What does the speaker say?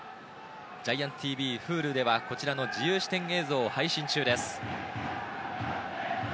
ＧＩＡＮＴＳＴＶ、Ｈｕｌｕではこちらの自由視点映像を配信中です。